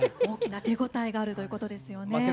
大きな手応えがあるということですよね。